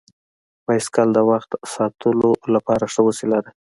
بایسکل د وخت ساتلو لپاره ښه وسیله ده.